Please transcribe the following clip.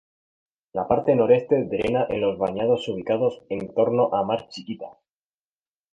La parte noreste drena en los bañados ubicados en torno a Mar Chiquita.